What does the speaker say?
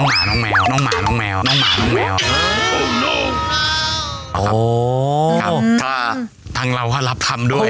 อ๋อถ้าทางเราก็รับทำด้วย